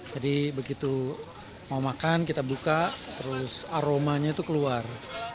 jadi begitu mau makan kita buka terus aromanya itu keluar